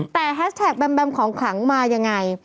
แต่แฮชแท็กแมมของขลังมายังไง